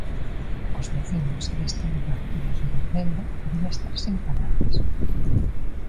Os veciños deste lugar de Rebordelo din estar sen palabras.